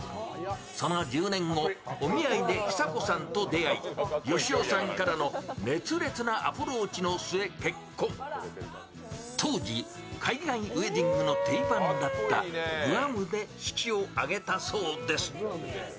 その１０年後、お見合いで久子さんと出会い、克夫さんの熱烈なアプローチの末、結婚当時、海岸ウェディングの定番だったグアムで式を挙げたそうです。